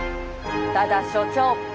ただ所長